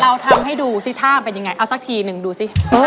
ทำให้ดูสิท่ามันเป็นยังไงเอาสักทีหนึ่งดูสิ